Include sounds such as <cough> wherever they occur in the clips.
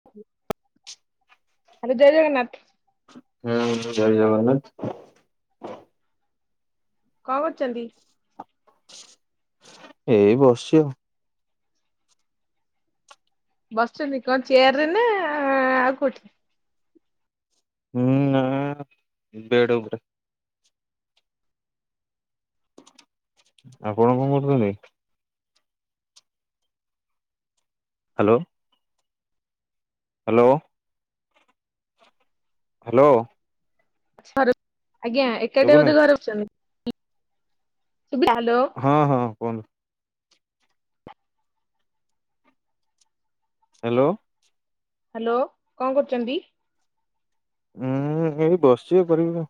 <unintelligible> Hello ଜୟ ଜଗନ୍ନାଥ। ହୁଁ ଜୟ ଜଗନ୍ନାଥ। କଣ କରୁଚନ୍ତି। ଏଇ ବସିଚି ଆଉ। ବସିଛନ୍ତି କଣ ଚେୟାରରେ ନା ଆଉ କଉଠି? ହୁଁ ନାଁ ବେଢ଼୍ ଉପରେ। ଆଉ କଣ କରୁଚନ୍ତି। ହ୍ୟାଲୋ। ହ୍ୟାଲୋ। ହ୍ୟାଲୋ। ଆଜ୍ଞା। ଏକାଠ ଶୁଭୁନି ବୋଧେ ଘରେ ବସିଛନ୍ତି। ଶୁଭିଲା ହ୍ୟାଲୋ। ହଁ, ହଁ। କୁହନ୍ତୁ ହ୍ୟାଲୋ। ହ୍ୟାଲୋ। କଣ କରୁଚନ୍ତି। ହୁଁ। ଏଇ ବସିଛି ଆଉ କରିବି କଣ।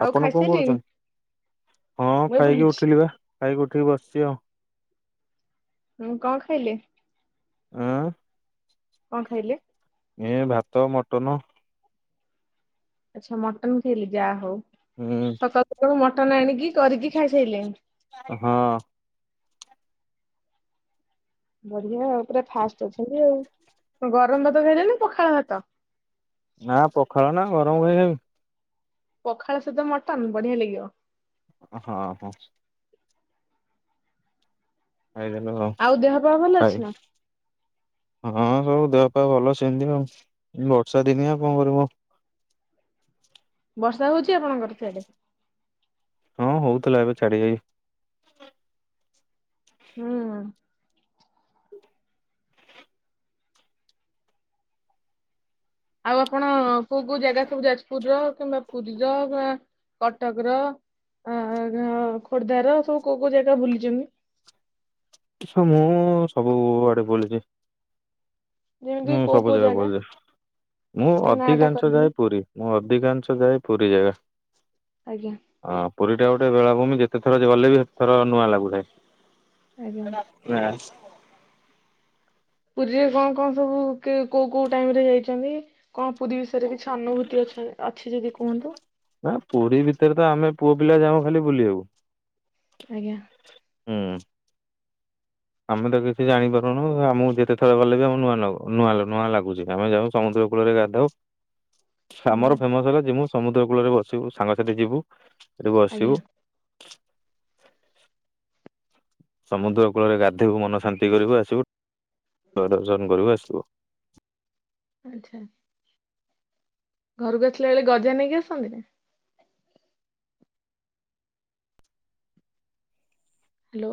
ଆଉ ଆପଣ କଣ ଖାଇସାରିଲେଣି କରୁଚନ୍ତି। ହଁ ମୁଁ ଏଇ ଖାଇକି ବୁଲୁଛି ଉଠିଲି ବା ଖାଇକି ଉଠିକି ବସିଚି ଆଉ। ହଁ। କଣ ଖାଇଲେ? ଉଁ। କଣ ଖାଇଲେ? ଏ ଭାତ ମଟନ। ଆଚ୍ଛା। ମଟନ ଖାଇଲେ ଯାହା ହଉ। ହୁଁ। ସକାଳୁ ସକାଳୁ ମଟନ ଆଣିକି କରିକି ଖାଇସାରିଲେଣି। ହଁ। ବଢ଼ିଆ ଆଉ ପୁରା ଫାଷ୍ଟ ଅଛନ୍ତି ଆଉ। ଗରମ ଭାତ ଖାଇଲେ ନା ପଖାଳ ଭାତ। ନା ପଖାଳ ନା ଗରମ କାଇଁ ଖାଇବି। ପଖାଳ ସହିତ ମଟନ୍ ବଢ଼ିଆ ଲାଗିବ। ‍ ହଁ, ହଁ। ଖାଇଦେଲି ଆଉ। ହଁ ଦେହ ପା ଭଲ ଅଛି ଖାଇ ନା? ହଁ ସବୁ ଦେହ ପା ଭଲ ସେମିତି ଆଉ। ବର୍ଷା ଦିନଆ କଣ କରିବ ଆଉ। ବର୍ଷା ହଉଛି ଆପଣଙ୍କର ସିଆଡେ। ହଁ ହଉଥିଲା ଏବେ ଛାଡ଼ି ଯାଇଚି। ହୁଁ। ଆଉ ଆପଣ କୋଉ କୋଉ ଜାଗା ସବୁ ଯାଜପୁର ର କିମ୍ବା ପୁରୀର କି କଟକ ର ଅ ଖୋର୍ଦ୍ଧ ର ସବୁ କୋଉ କୋଉ ଜାଗା ବୁଲିଛନ୍ତି। ମୁଁ ସବୁ ଆଡ଼େ ବୁଲିଛି। ଯେମିତି ମୁଁ କୋଉ ସବୁ କୋଉ ଜାଗା ବୁଲିଛି ମୁଁ ଟିକେ ନାଁ ଟା ଅଧିକାଂଶ କହିଲେ ଯାଏ ପୁରୀ। ମୁଁ ଅଧିକାଂଶ ଯାଏ ପୁରୀ ଜାଗା। ଆଜ୍ଞା ହଁ ପୁରୀ ଟା ଗୋଟେ ବେଳାଭୂମି ଯେତେ ଥର ଗଲେ ବି ସେତେଥର ନୂଆ ଲାଗୁଥାଏ। ଆଜ୍ଞା। <unintelligible> ପୁରୀରେ କଣ କଣ ସବୁ କୋଉ କୋଉ ଟାଇମରେ ଯାଇଛନ୍ତି? କଣ ପୁରୀ ବିଷୟରେ କିଛି ଅନୁଭୂତି ଅ ଅଛି ଯଦି କୁହନ୍ତୁ? ନା ପୁରୀ ଭିତରେ ତ ଆମେ ପୁଅ ପିଲା ଯାଉ ଖାଲି ବୁଲିବାକୁ। ଆଜ୍ଞା ହୁଁ ଆମେ ତ କିଛି ଜାଣିପାରୁନୁ ଆମକୁ ଯେତେ ଥର ଗଲେ ବି ଆମ ନୂଆ ନୂଆ ନୂଆ ଲାଗୁଛି ଆମେ ଯାଉଛୁ। ସମୁଦ୍ର କୂଳରେ ଗାଧାଉ। ହୁଁ ଆମର ଫେମସ ହେଲା ଯିମୁ ସମୁଦ୍ର କୂଳରେ ବସିବୁ ସାଙ୍ଗସାଥି ଯିବୁ ସେଠି ଆଜ୍ଞା ବସିବୁ। ସମୁଦ୍ର କୂଳରେ ଗାଧବୁ ମନ ଶାନ୍ତି କରିବୁ ଆସିବୁ ଠାକୁର ଦର୍ଶନ କରିବୁ ଆସିବୁ। ଆଚ୍ଛା। ଘରକୁ ଆସିଲା ବେଳେ ଗଜା ନେଇକି ଆସନ୍ତି? ହ୍ୟାଲୋ।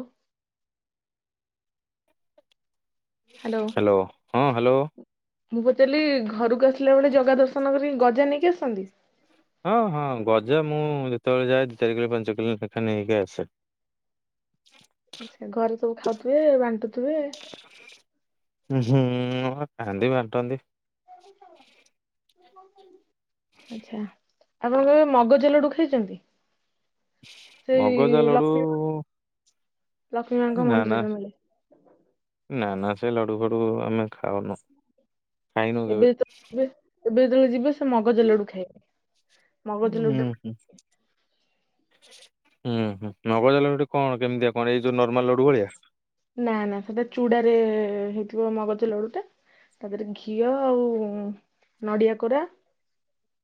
ହ୍ୟାଲୋ ହ୍ୟାଲୋ ହଁ ହ୍ୟାଲୋ। ମୁଁ ପଚାରିଲି ଘରକୁ ଆସିଲା ବେଳେ ଜଗା ଦର୍ଶନ କରିକି ଗଜା ନେଇକି ଆସନ୍ତି? ହଁ ହଁ ଗଜା ମୁଁ ଯେତେବେଳେ ଯାଏ ଦି ଚାରି କିଲ ପାଞ୍ଚ କିଲୋ ଲେଖା ନେଇକି ଆସେ। ଆଛା ଘରେ ସବୁ ଖାଉଥିବେ ବାଣ୍ଟୁଥିବେ। <inaudible> ଉଁ ହୁଁ ହଁ ଖାଆନ୍ତି ବାଣ୍ଟନ୍ତି। <inaudible> ଆଚ୍ଛା ଆପଣ କେବେ ମଗଜ ଲଡୁ ଖାଇଛନ୍ତି? ସେଇ ମଗଜା ଲଡୁ ଲକ୍ଷ୍ମି ହେ ନାନା ନାନା ସେ ଲଡୁ ଫଡୁ ଆମେ ଖାଉନୁ। ଖାଇନୁ କେବେ। ଏବେ <unintelligible> ଯିବେ ଏବେ ଯେତେବେଳେ ଯିବେ। ସେ ମଗଜ ଲଡୁ ଖାଇବେ ମଗଜ ଉଁ ଲଡୁ ହୁଁ। ହୁଁ ହୁଁ ମଗଜ ଲଡୁ କଣ କେମିତିଆ କଣ ଏଇ ଯୋଉ ନର୍ମାଲ ଲଡୁ ଭଳିଆ? ନା ନା ସେଟା ଚୁଡାରେ ହେଇଥିବ ମଗଜ ଲଡୁ ଟା। ତାପରେ ଘିଅ ଆଉ ନଡ଼ିଆ କୋରା।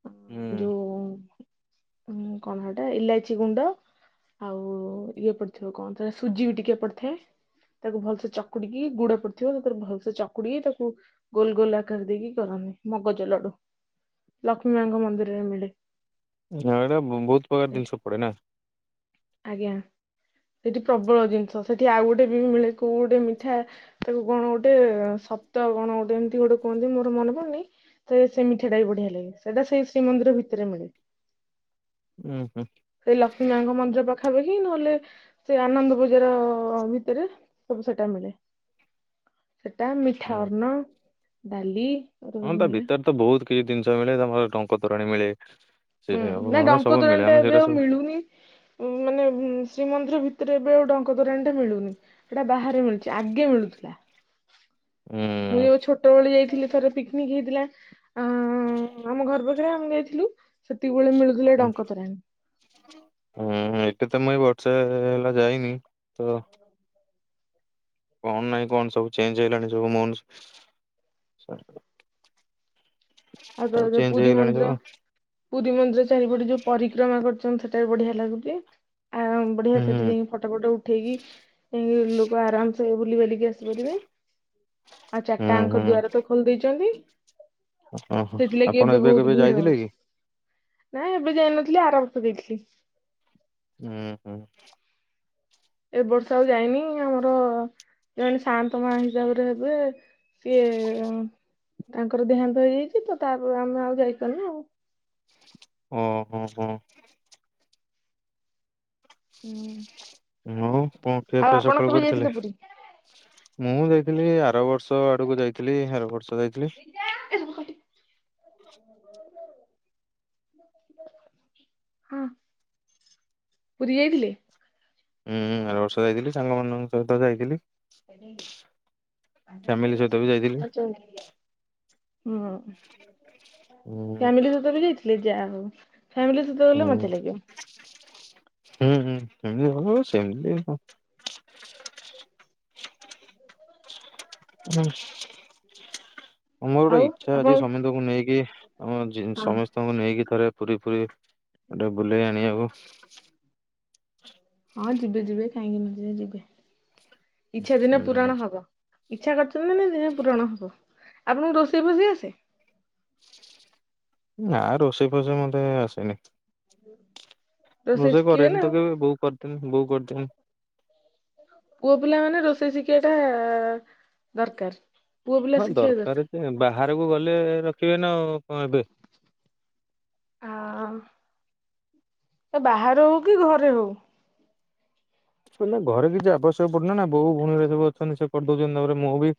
ଅ ହୁଁ ଯୋଉ କଣ ହେଟା ଇଲାଇଚି ଗୁଣ୍ଡ। ଆଉ ଇଏ ପଡିଥିବ କଣ ସେଟା ସୁଜି ବି ଟିକେ ପଡିଥାଏ। ତାକୁ ଭଲସେ ଚକୁଡିକି ଗୁଡ ପଡିଥିବ ତାକୁ ର ଭଲସେ ଚକୁଡି ତାକୁ ଗୋଲ ଗୋଲ ଆକାର ଦେଇକି କରନ୍ତିି ମଗଜ ଲଡୁ ଲକ୍ଷ୍ମୀ ମାଙ୍କ ମନ୍ଦିରରେ ମିଳେ। ହ ଏଇଟା ବହୁତ ପ୍ରକାର ସେଇଠି ଜିନିଷ ପଡେ ନା। ଆଜ୍ଞା ସେଠି ପ୍ରବଳ ଜିନିଷ ସେଠି ଆଉ ଗୋଟେ ବି ମିଳେ କୋଉ ଗୋଟେ ମିଠା। ତାକୁ କଣ ଗୋଟେ ସପ୍ତ କଣ ଗୋଟେ ଏମିତି ଗୋଟେ କୁହନ୍ତି ମୋର ମନେ ପଡୁନି। ସେ ସେ ମିଠାଟା ବି ବଢିଆ ଲାଗେ, ସେଇଟା ସେଇ ଶ୍ରୀମନ୍ଦିର ଭିତରେ ମିଳେ। ଉୁଁ ହୁଁ। ସେଇ ଲକ୍ଷ୍ମୀ ମାଙ୍କ ମନ୍ଦିର ପାଖ ଖା ପାଖି ନହେଲେ ସେ ଆନନ୍ଦ ବଜାର ଭିତରେ ସବୁ ସେଟା ମିଳେ। ସେଟା ମିଠା ହୁଁ। ଅର୍ଣ ଡାଲି। ହଁ ତା ମିଳେ ଭିତରେ ତ ବହୁତ କିଛି ଜିନିଷ ମିଳେ ତମର ଟଙ୍କ ତୋରାଣୀ ମିଳେ। ସେ ହୁଁ ନାଇଁ ଆ ଟଙ୍କ ସବୁ ମିଳେ ତୋରାଣି ଟା ଆମେ ଏବେ ସେଇଟା ଆଉ ସବୁ ମିଳୁନି। ଉ ମାନେ ଶ୍ରୀମନ୍ଦିର ଭିତରେ ଏବେ ଆଉ ଟଙ୍କ ତୋରାଣୀ ଟା ମିଳୁନି। ସେଟା ବାହାରେ ମିଳୁଛି ଆଗେ ମିଳୁଥିଲା। ଉଁ ମୁଁ ଯୋଉ ଛୋଟବେଳେ ଯାଇଥିଲି ଥରେ ପିକ୍ନିକ ହେଇଥିଲା ଆ ଆମ ଘର ପା ଖରେ ଆମେ ଯାଇଥିଲୁ ସେତିକି ବେଳେ ମିଳୁଥିଲା ଟଙ୍କ ତୋରାଣୀ। ହୁଁ ଏଠି ତ ମୁଏଇ ବର୍ଷେ ହେଲା ଯାଇନି ତ କଣ ନାଇଁ କଣ ସବୁ ଚେଞ୍ଜ ହେଲାଣି ସବୁ ମୋହନ ସରକାର। ଆ ଦ ଦ ଚେଞ୍ଜ ପୁରୀ ହେଇଗଲାଣି ସବୁ ମନ୍ଦୀର। ପୁରୀ ମନ୍ଦିର ଚାରିପଟେ ଯୋଉ ପରିକ୍ରମା କରୁଛନ୍ତି, ସେଟା ବି ବଢିଆ ଲାଗୁଛି ଆଉ ବଢିଆ ହୁଁ ସେଠି ଯାଇକି ଫଟୋ ଫଟୋ ଉଠେଇକି ଲୋକ ଆରାମସେ ବୁଲି ବାଲିକି ଆସିପାରିବେ। ଆ ହୁଁ ହୁଁ ଚାରିଟାଙ୍କ ହୁଁ ଦ୍ୱାରତ ଖୋଲି ଦେଇଛନ୍ତି। ଓହୋ ସେଥିଲାଗି ଆପଣ ଏବେ ବହୁତ କେବେ ଭିଡ ଯାଇଥିଲେ ହଉଛି, କି? ନାହିଁ ଏବେ ଯାଇନଥିଲି ଆର ବର୍ଷ ଯାଇଥିଲି। ହୁଁ ହୁଁ। ଏ ବର୍ଷ ଆଉ ଯାଇନି, ଆମର ଜଣେ ସାଆନ୍ତ ମା ହିସାବରେ ହେବେ ସିଏ ତାଙ୍କର ଦେହାନ୍ତ ହେଇଯାଇଛି ତ ତାପରେ ଆମେ ଆଉ ଯାଇପାରିନୁ ଆଉ। ଓହୋ ହଁ। ହୁଁ। ହଉ କଣ ଖିଆ ଆଉ ପିଆ ଆପଣ ସକାଳୁ କେବେ କରିଥିଲେ। ଯାଇଥିଲେ ପୁରୀ? ମୁଁ ଯାଇଥିଲି ଆର ବର୍ଷ ଆଡକୁ ଯାଇଥିଲି ଆର ବର୍ଷ ଯାଇଥିଲି। <inaudible> ହଁ ପୁରୀ ଯାଇଥିଲେ। ହୁଁ ଆର ବର୍ଷ ଯାଇଥିଲି ସାଙ୍ଗମାନଙ୍କ ସହିତ ଯାଇଥିଲି। <unintelligible> ହୁଁ ଫ୍ୟାମିଲି ସହିତ ବି ଯାଇଥିଲେ ଯାହା ହଉ ହୁଁ ଫ୍ୟାମିଲି ସ ଲେ ମଜା ହୁଁ ଲାଗିବ। ହୁଁ ହୁଁ ଏମତି ହଉ ସେମିତି ହୋଊ ବ <unintelligible> ହୁଁ ମୋର ଗୋଟେ ଆଉ ଇଚ୍ଛା ଆପଣ ଅଛି ସମତୀକୁ ନେଇକି ଆମ ହଁ ସମସ୍ତଙ୍କୁ ନେଇକି ଥରେ ପୁରୀ ପୁରୀ ଗୋଟେ ବୁଲେଇ ଆଣିବାକୁ। ହଁ ଯିବେ ଯିବେ କାହିଁକି ନା ଯିବେ ଇଚ୍ଛା ଦିନେ ହୁଁ। ପୁରଣ ହବ। ଇଚ୍ଛା କରିଛନ୍ତି ମାନେ ଦିନେ ପୁରଣ ହବ ଆପଣଙ୍କୁ ରୋଷେଇ ଫୋଷେଇ ଆସେ। ନା ରୋଷେଇ ଫୋଷେଇ ମତେ ଆସେନି। ହୁଁ। ରୋଷେଇ କରେନି ତ କେବେ ବୋଉ କରିଦିଅନ୍ତି ବୋଉ କରିଦିଅନ୍ତି। ପୁଅ ପିଲା ମାନେ ରୋଷେଇ ଶିଖିବାଟା ଦରକାର। ପୁଅ ପିଲା ହଁ ଶିଖିବା ଦରକାର ଯେ ବାହାରକୁ ଗଲେ ରଖିବେ ନା ଆଉ କଣ ଏବେ। ଆ ତ ବାହାରେ ହଉ କି ଘରେ ହଉ। ଘରେ କିଛି ଆବଶ୍ୟକ ପଡୁନି ନା ବୋଉ ଭଉଣୀ ହରିକା ସବୁ ଅଛନ୍ତି ସେ କରିଦଉଛନ୍ତି ତାପରେ ମୁଁ ବି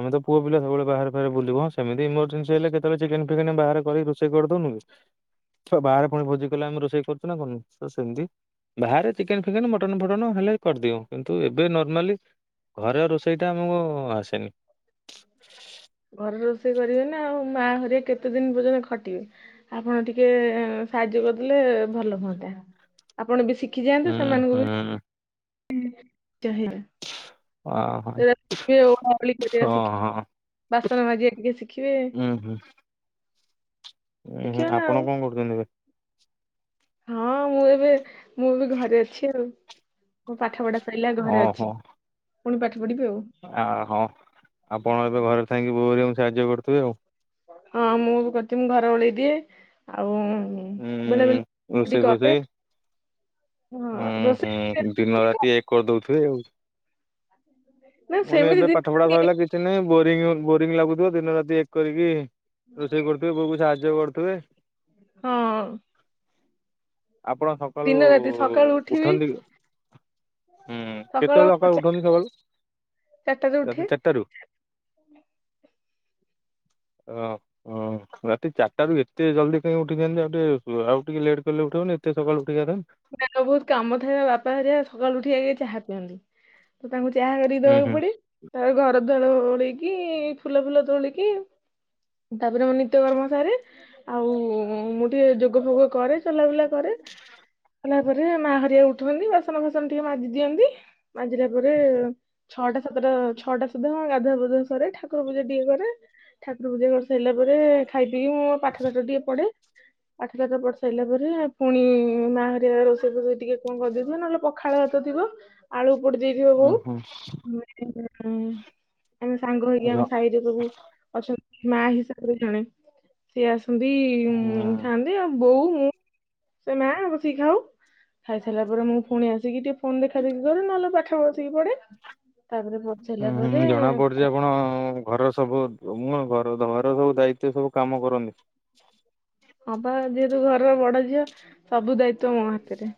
ଆମେ ତ ପୁଅ ପିଲା ସବୁବେଳେ ବାହାରେ ବାହରେ ବୁଲିବ ସେମିତି ଇମରଜେନ୍ସି ହେଲେ କେତେବେଳେ ଚିକେନ ଫିକେନ ବାହାର କରି ସେ କରିଦଉନୁ କି। ବାହାରେ ପୁଣି ଭୋଜି କଲେ ଆମେ ରୋଷେଇ କରୁଛୁ ନା କରୁନୁ ସେମିତି ବାହାରେ ଚିକେନ ଫିକେନ୍ ମଟନ ଫଟନ ହେଲେ ହିଁ କରିଦୋଉ କିନ୍ତୁ ଏବେ ନର୍ମାଲି ଘରେ ଆଉ ରୋଷେଇଟା ଆମକୁ ଆସେନି। ଘରେ ରୋଷେଇ କରିବେ ନା ଆଉ ମା ହରିଆ କେତେ ଦିନ ପର୍ଯ୍ୟନ୍ତ ଖଟିବେ ଆପଣ ଟିକେ ସାହାଯ୍ୟ କରିଦେଲେ ଭଲ ହୁଅନ୍ତା ଆପଣ ବି ହୁଁ ଶିଖିଯାଆନ୍ତୁ ସେମାନଙ୍କୁ ବି ହୁଁ ଅ ହଁ ଚାଆ ସେ ହଁ <unintelligible> ବାସନ ମାଜିଆ ଟିକେ ଶିଖିବେ ହୁଁ ହୁଁ ଉ ହୁଁ ଶିଖିବେ ନା ଆଉ ଆପଣ କଣ କରୁଛନ୍ତି ଏଵେ ହଁ ମୁଁ ଏବେ ମୁଁ ବି ଘରେ ଅଛି ଆଉ ମୋ ପାଠ ପଢା ସାରିଲା ଘରେ ଓହୋ ଅଛି ପୁଣି ପାଠ ପଢିବି ଆଉ ଆ ହଁ ଆପଣ ଏବେ ଘରେ ଥାଇକି ବୋଉ ହେରିକାଙ୍କୁ ସାହାଯ୍ୟ କରୁଥିବେ ଆଉ ହଁ ମୁଁ ବି କରୁଛି ମୁଁ ଘର ଓଳେଇ ଦିଏ ଆଉ ବେଳେ ବେଳେ ଉଁ ଏମିତି କରେ ହଁ ଉ ରୋଷେଇ ହୁଁ ଦିନ ରୋଷେଇ ରାତି ଏକ କରିଦଉଥିବେ ଆଉ ହ <unintelligible> ମାନେ ଏବେ ପାଠ ପଢା ସଇଲା କିଛି ନାହିଁ ବୋରିଂ ବୋରିଂ ଲାଗୁଥିବ ଦିନ ରାତି ଏକ କରିକି ରୋଷେଇ କରୁଥିବେ ବୋଉକୁ ସାହାଯ୍ୟ କରୁଥିବେ ହଁ ଆପଣ ସ ଦିନ ରାତି ସକାଳୁ ଉଠିବି ହୁଁ ସକାଳ କେତେବେଳେ ଅକାଳ ଉଠନ୍ତି ସକାଳୁ ରାତି ଚାରିଟା ରୁ ହ ହଁ ହଁ ରାତି ଚାରିଟାରୁ ଏତେ ଜଲ୍ଦି କାଇ ଉଠିଛନ୍ତି ଆଉ ଟିକେ ଆଉ ଟିକେ ଲେଟ୍ ଉଠିବନି ଏତେ ସକାଳୁ ଉଠି। ସାଙ୍ଗ ବହୁତ କାମ ଥାଏ ବାପା ହାରିଆ ସକାଳୁ ଉଠି ଆଗ ଚାହା ପିଅନ୍ତି। ତ ତାଙ୍କୁ ଚାହା କରିକି ହୁଁ ଦବାକୁ ହୁଁ ପଡେ। ତା ଘର ଦ୍ୱାର ଓଲେଇକି ଫୁଲ ଫୁଲ ତୋଳିକି। ତାପରେ ମୋ ନିତ୍ୟକର୍ମ ସାରେ ଆଉ ମୁଁ ଟିକେ ଯୋଗ ଫୋଗ କରେ। ଚଲାବୁଲା କରେ କଲା ପରେ ମା ହରିଆ ଉଠନ୍ତି ବାସନ ଫାସନ ଟିକେ ମାଜି ଦିଅନ୍ତି। ମଜିଲା ପରେ ଛଅଟା ସାତଟା ଛଅଟା ସୁଦ୍ଧା ଗାଧୁଆ ପାଦ୍ଧୁଆ ସରେ ଠାକୁର ପୂଜା ଟିକେ କରେ ଠାକୁର ପୂଜା କରିସାରିଲା ପରେ ଖାଇ ପିକି ମୁଁ ପାଠ ଫାଠ ଟିକେ ପଢେ ପାଠ ପାଠ ପଢ଼ି ସାରିଲା ପରେ ପୁଣି ମା ହରିଆ ରୋଷେଇ ଫୋଷେଇ ଟିକେ କଣ କରିଦେଇଥିବ ନହେଲେ ପଖାଳ ହାତ ଥିବ ଆଳୁ ପୋଡି ଦେଇଥିବ ବୋଉ। ଓହୋ। ଆମେ ସାଙ୍ଗ ହେଇକି ଆମ ସାହିରେ ସବୁ ଅଛନ୍ତି ମା ହିସାବରେ ଜଣେ ସେ ଆସନ୍ତି ହୁଁ ଖାଆନ୍ତି ଆଉ ବୋଉ। ସେ ମା ବସିକି ଖାଉ ଖାଇସାରିଲା ପରେ ମୁଁ ପୁଣି ଆସିକି ଟିକେ ଫୋନ ଦେଖା ଦେଖି କରେ ନହେଲେ ପାଠ ବସିକି ପଡେ ତାପରେ ସାରିଲା ହୁଁ ପରେ ହୁଁ ଜଣା ପଡୁଛି ଆପଣ ଘର ସବୁ ମୁଁ ଘର ଘର ସବୁ ଦାୟିତ୍ୱ ସବୁ କାମ କରନ୍ତି। ହଁବା ଯେହେତୁ ଘରର ବଡ ଝିଅ ସବୁ ଦାୟିତ୍ୱ ମୋ ହାତରେ।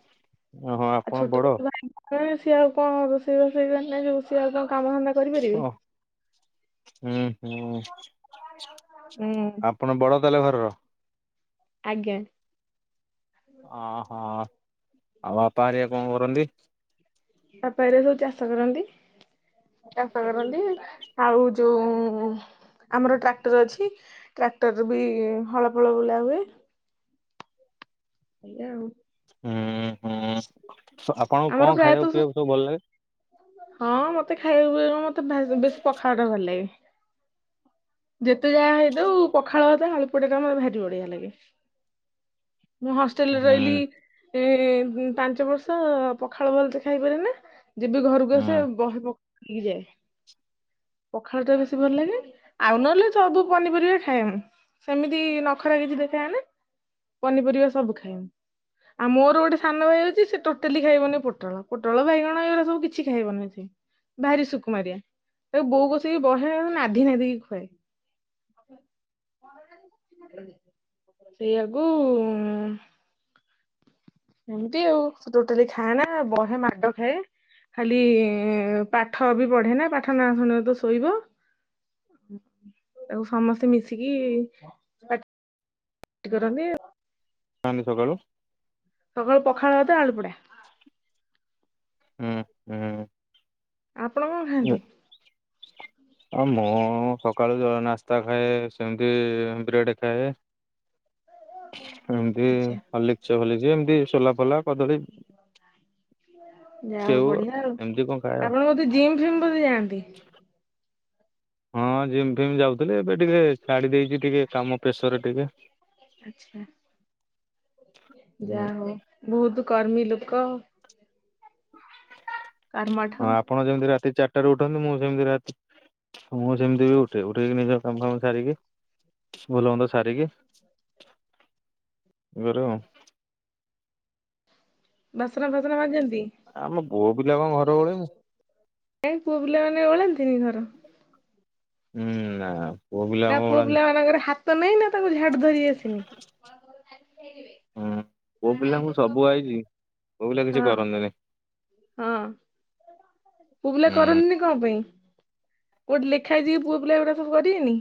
ଓହୋ ଆଉ ଆପଣ ଛୋଟ ବଡ ଛୋଟ ଭାଇ ଭଉଣୀ ସିଏ ଆଉ କଣ ରୋଷେଇ ବାସ ଜାଣିଛନ୍ତି ସିଏ ଆଉ କଣ କାମ ଧନ୍ଦା କରିପାରିବେ। ଓ ହୁଁ ହୁଁ ହୁଁ ଆପଣ ବଡ? ତାହାଲେ ଘରର। ଆଜ୍ଞା। ଓହୋ ଆଉ ବାପାା ହାରିକା କଣ କରନ୍ତି? ବାପା ହେରିକା ସବୁ ଚାଷ କରନ୍ତି ଚାଷ କରନ୍ତି। ଆଉ ଯୋଉ ଉଁ ଆମର ଟ୍ରାକ୍ଟର ଅଛି ଟ୍ରାକ୍ଟର ରୃ ବି ହଳ ଫଳ ବୁଲା ହୁଏ। ଏଇଆ ଆଉ। ହୁଁଁ ହୁଁ ଆପଣଙ୍କୁ ଆମର କଣ ଖାଇବାକୁ ପ୍ରାୟତଃ ପିଇବାକୁ ସବୁ ଭଲ ଲାଗେ? ହଁ ମତେ ଖାଇବାକୁ ପିଇବାରୁ ମତେ ବେଶୀ ପଖାଳ ଟା ଭଲ ଲାଗେ। ଯେତେ ଯାହା ହେଇଥାଉ ପଖାଳ ଭାତ ଆଳୁ ପୋଡାଟା ମତେ ଭାରି ବଢିଆ ଲାଗେ। ମୁଁ ହଷ୍ଟେଲେ ରେ ରହିଲି ହୁଁ ଏ ପାଞ୍ଚ ବର୍ଷ ପଖାଳ ଭଲତେ ଖାଇପାରେ ନା। ଯେବେ ଘରକୁ ଆସେ ହୁଁ ବହେ ପଖା ଇକୀ ଯାଏ ପଖାଳ ଟା ବେଶୀ ଭଲ ଲାଗେ ଆଉ ନହେଲେ ସବୁ ପନିପରିବା ଖାଏମ ସେମିତି ନଖରା କିଛି ଦେଖାଏ ନା ପନିପରିବା ସବୁ ଖାଏ ମୁଁ। ଆଉ ମୋର ଗୋଟେ ସାନ ଭାଇ ଅଛି ସେ ଟୋଟାଲି ଖାଇବନି ପୋଟଳ ପୋଟଳ ବାଇଗଣ ଏଗୁରାକ ସେ କିଛି ଖାଇବନି। ଭାରି ସୁକୁମାରିଆ ତାକୁ ବୋଉ କଶିକି ବହେ ନାଧି ନାଧି ଖୁଆଏ। ସେଇଆକୁ ଏମିତି ଆଉ ଟୋଟାଲି ଖାଏନା ବହେ ମାଡ ଖାଏ ଖାଲି ପାଠ ବି ପଢେ ନା ପାଠ ନା ଶୁଣିବ ତ ଶୋଇବ। ତାକୁ ସମସ୍ତେ ମିଶିକି ପାଟି କରନ୍ତି। ଯଆନ୍ତି ସକାଳୁ? ସକାଳୁ ପଖାଳ ଭାତ ଆଳୁ ପୋଡ଼ା। ହୁଁ ହୁଁ। ଆପଣ କଣ ଖାଆନ୍ତି? ହଁ ମୁଁ ସକାଳୁ ଜ ନାସ୍ତା ଖାଏ ସେମିତି ବ୍ରେଡେ ଖାଏ। <unintelligible> ଏମିତି ଆଚ୍ଛା ହଲିଛ ହଲି ଏମିତି ସୋଲା ଫୋଲା କଦଳୀ ଯାହା ହଉ ସେଉୁ ବଢିଆ ଆଉ ଏମତି କଣ ଖାଏ ଉ। ଆପଣ ବୋଧେ ଜିମ୍ ଫିମ୍ ବୋଧେ ଯାଆନ୍ତି? <inaudible> ହଁ ହଁ ଜିମ୍ ଫିମ୍ ଯାଉଥିଲି ଏବେ ଟିକେ ଛାଡି ଦେଇଛି ଟିକେ କାମ ପ୍ରେସର ରେ ଟିକେ। ଆଛା ଯାହା ହଁ ହଉ ବହୁତୁ କର୍ମୀ ଲୋକ‌ ଉ। କରମଠ। ଆପଣ ଯେମିତି ରାତି ଚାରିଟାରେ ଉଠନ୍ତି ମୁଁ ସେମିତି ରା ମୁଁ ସେମିତି ବି ଉଠେ ଉଠେଇକି ନିଜର କାମ ଫାମ ସାରିକି ଭଲ ମନ୍ଦ ସାରିକି ଘରେ ଉ। ବାସନା ଫାସନା ମାଜନ୍ତି? ଆମ ପୁଅ ପିଲା କଣ ଘ କାଇଁ ପୁଅ ପିଲାମାନେ ଓଳାନ୍ତିନି ଘର? ହୁଁ ନା। ପୁଅ ପିଲା ତମ ଆମ ପୁଅ ପିଲା ଓଳାନ୍ତି। ମାନଙ୍କର ହାତ ନାଇଁ ନା ତାଙ୍କୁ ଝାଡୁ ଧରି ଆସିନି? ହୁଁ ପୁଅ ପିଲାଙ୍କୁ ସବୁ ଆଇଛି ପୁଅ ପିଲା କିଛି ହଁ। କରନ୍ତିନି। ହଁ ପୁଅ ପିଲା ହୁଁ। କରନ୍ତିନି କଣ ପାଇଁ? କଉଠି ଲେଖା ହେଇଛି କି ପୁଅ ପିଲ ଏଗୁରାକ ସବୁ କରିବେନି?